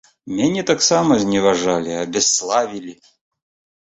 Мяне таксама зневажалі, абясславілі.